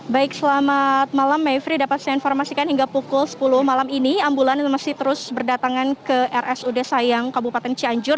baik selamat malam mayfrey dapat saya informasikan hingga pukul sepuluh malam ini ambulans masih terus berdatangan ke rsud sayang kabupaten cianjur